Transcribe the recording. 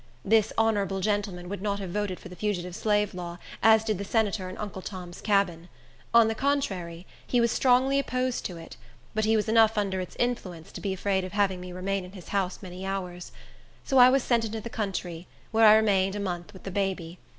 This honorable gentleman would not have voted for the Fugitive Slave Law, as did the senator in "Uncle Tom's Cabin;" on the contrary, he was strongly opposed to it; but he was enough under its influence to be afraid of having me remain in his house many hours. So I was sent into the country, where I remained a month with the baby.